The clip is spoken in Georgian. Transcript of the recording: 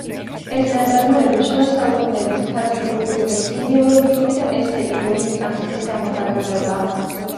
ეს ნაწარმოები შუა საუკუნეების ქართული კულტურის იდეოლოგიური და ესთეტიკური მრწამსის გამოხატულებაა.